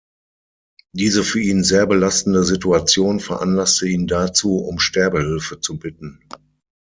Diese für ihn sehr belastende Situation veranlasste ihn dazu, um Sterbehilfe zu bitten.